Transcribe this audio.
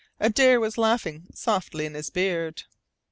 Adare was laughing softly in his beard.